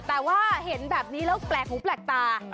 แต่ว่าเห็นแบบนี้แล้วแปลกหูแปลกตา